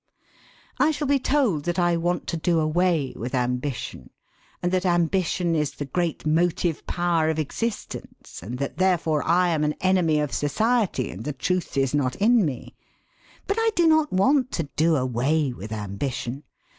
I shall be told that I want to do away with ambition, and that ambition is the great motive power of existence, and that therefore I am an enemy of society and the truth is not in me. But I do not want to do away with ambition.